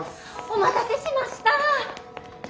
お待たせしました！